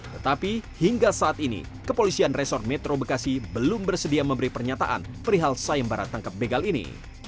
tetapi hingga saat ini kepolisian resor metro bekasi belum bersedia memberi pernyataan perihal sayembarat tangkap begal ini